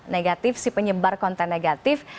negatif si penyebar konten negatif